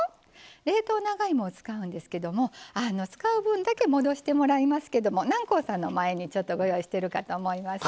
冷凍長芋を使うんですけども使う分だけ戻してもらいますけども南光さんの前にちょっとご用意してるかと思います。